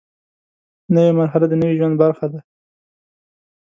نوې مرحله د نوي ژوند برخه ده